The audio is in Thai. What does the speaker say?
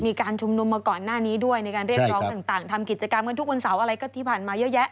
มีการชุมนุมมาก่อนหน้านี้ด้วยในการเรียกร้องต่างทำกิจกรรมกันทุกวันเสาร์อะไรก็ที่ผ่านมาเยอะแยะ